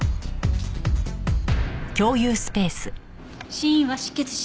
死因は失血死。